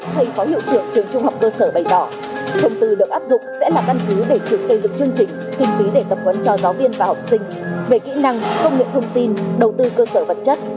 thầy hiệu trưởng trường trung học thổ thông tại tp hcm chia sẻ thông tư được áp dụng sẽ là căn cứ để trường xây dựng chương trình hình ký để tập huấn cho giáo viên và học sinh về kỹ năng công nghệ thông tin đầu tư cơ sở văn chất